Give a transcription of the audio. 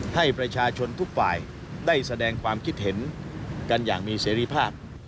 ให้ประชาชนทุกฝ่ายได้แสดงความคิดเห็นกันอย่างมีเสรีภาพ